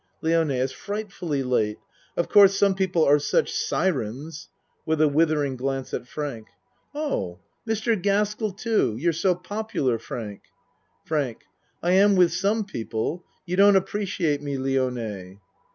LIONE It's frightfully late. Of course some people are such sirens. (With a withering glance at Frank.) Oh Mr. Gaskell too. You're so popular, Frank. FRANK I am with some people. You don't ap preciate me, Lione.